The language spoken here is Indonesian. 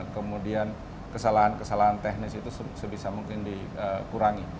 kemudian kesalahan kesalahan teknis itu sebisa mungkin dikurangi